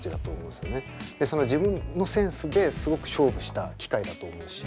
その自分のセンスですごく勝負した機械だと思うし。